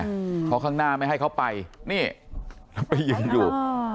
เพราะข้างหน้าไม่ให้เขาไปนี่แล้วไปยืนอยู่อ๋อ